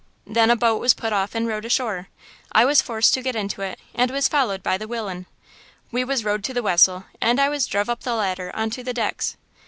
Then a boat was put off and rowed ashore. I was forced to get into it, and was followed by the willian. We was rowed to the wessel, and I was druv up the ladder on to the decks.